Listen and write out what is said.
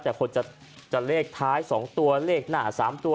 แต่คนจะเลขท้าย๒ตัวเลขหน้า๓ตัว